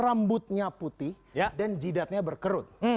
rambutnya putih dan jidatnya berkerut